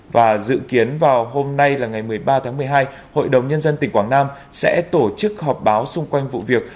và dự kiến vào hôm nay là ngày một mươi ba tháng một mươi hai hội đồng nhân dân tỉnh quảng nam sẽ tổ chức họp báo xung quanh vụ việc